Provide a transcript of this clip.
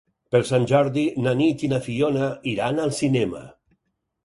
Per Sant Jordi na Nit i na Fiona iran al cinema.